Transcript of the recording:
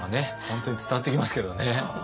本当に伝わってきますけどね。